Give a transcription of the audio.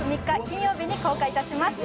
金曜日に公開致します。